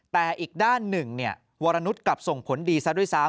แต่อีกด้านหนึ่งวรนุษย์กลับส่งผลดีซะด้วยซ้ำ